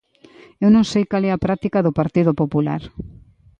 Eu non sei cal é a práctica do Partido Popular.